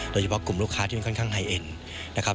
โดยเฉพาะกลุ่มลูกค้าที่มันค่อนข้างไฮเอ็นนะครับ